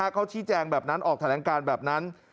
เขาชี้แจงแบบนั้นออกแถลงการแบบนั้น